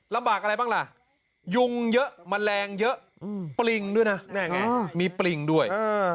บากอะไรบ้างล่ะยุงเยอะแมลงเยอะปริงด้วยนะมีปริงด้วย